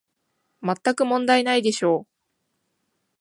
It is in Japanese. まったく問題ないでしょう